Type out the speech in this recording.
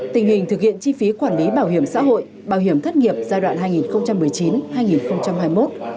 tình hình thực hiện chi phí quản lý bảo hiểm xã hội bảo hiểm thất nghiệp giai đoạn hai nghìn một mươi chín hai nghìn hai mươi một